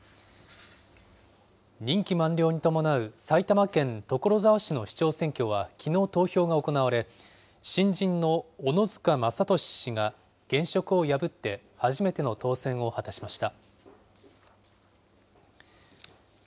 任期満了に伴う埼玉県所沢市の市長選挙は、きのう投票が行われ、新人の小野塚勝俊氏が、現職を破って初めての当選を果たしました。